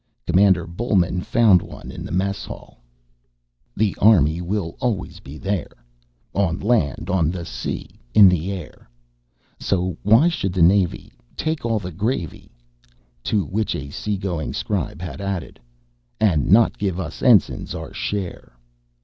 Commander Bullman found one in the mess hall: The Army will always be there, On the land, on the sea, in the air. So why should the Navy Take all of the gravy ... to which a seagoing scribe had added: _And not give us ensigns our share?